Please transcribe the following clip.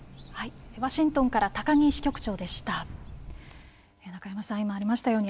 ワシントンから木支局長でした。